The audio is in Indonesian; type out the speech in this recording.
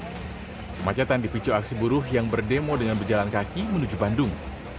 kemacetan dipicu aksi buruh yang berdemo dengan berjalan kaki menuju bandung